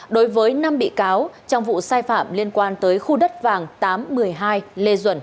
đối với năm bị cáo trong vụ sai phạm liên quan tới khu đất vàng tám trăm một mươi hai lê duẩn